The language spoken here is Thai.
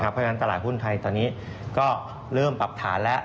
เพราะฉะนั้นตลาดหุ้นไทยตอนนี้ก็เริ่มปรับฐานแล้ว